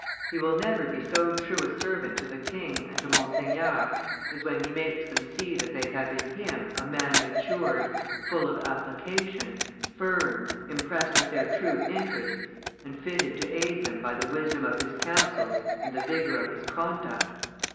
He will never be so true a servant to the king and to Monseigneur as when he makes them see that they have in him a man matured, full of application, firm, impressed with their true interests, and fitted to aid them by the wisdom of his counsels and the vigor of his conduct.